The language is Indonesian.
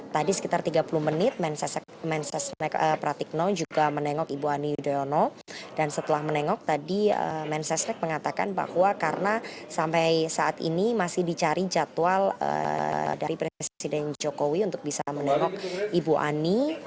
tadi sekitar tiga puluh menit mensesnek pratikno juga menengok ibu ani yudhoyono dan setelah menengok tadi mensesnek mengatakan bahwa karena sampai saat ini masih dicari jadwal dari presiden jokowi untuk bisa menengok ibu ani